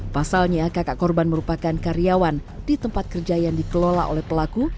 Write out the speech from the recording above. pasalnya kakak korban merupakan karyawan di tempat kerja yang dikelola oleh pelaku